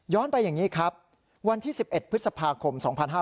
ไปอย่างนี้ครับวันที่๑๑พฤษภาคม๒๕๕๙